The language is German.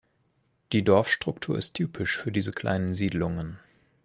Die Dorfstruktur ist typisch für diese kleinen Siedlungen.